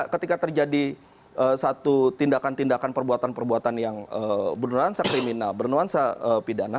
ketika terjadi satu tindakan tindakan perbuatan perbuatan yang bernuansa kriminal bernuansa pidana